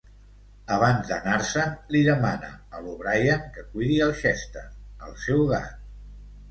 Abans d'anar-se'n, li demana a l'O'Brien que cuidi el Chester, el seu gat.